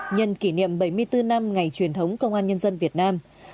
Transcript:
nhân kỷ niệm bảy mươi bốn năm ngày truyền thống công an nhân dân việt nam